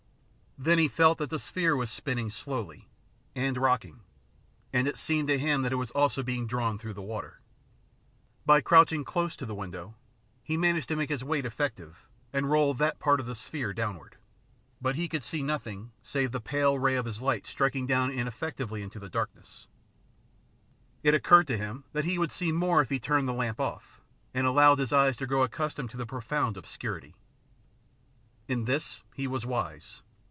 Then he felt that the sphere was spinning slowly, and rocking, and it seemed to him that it was also being drawn through the water. By crouching close to the window, he managed to make his weight effective and roll that part of the sphere downward, but he could see nothing save the pale ray of his light striking down ineffectively into the darkness. 88 THE PLATTNER STORY AND OTHERS It occurred to him that he would see more if he turned the lamp off, and allowed his eyes to grow accustomed to the profound obscurity. In this he was wise.